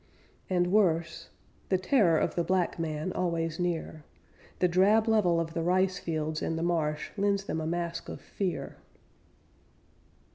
And worse The terror of the black man always near The drab level of the ricefields and the marsh Lends them a mask of fear.